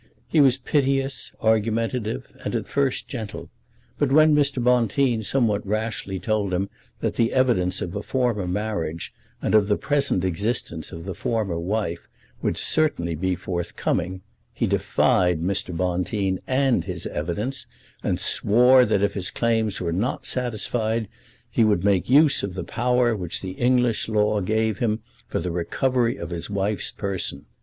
He was piteous, argumentative, and at first gentle; but when Mr. Bonteen somewhat rashly told him that the evidence of a former marriage and of the present existence of the former wife would certainly be forthcoming, he defied Mr. Bonteen and his evidence, and swore that if his claims were not satisfied, he would make use of the power which the English law gave him for the recovery of his wife's person.